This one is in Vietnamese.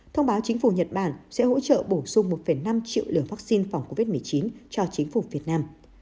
thông báo chính phủ nhật bản sẽ hỗ trợ bổ sung một năm triệu lượng vaccine phòng covid một mươi chín cho chính phủ việt nam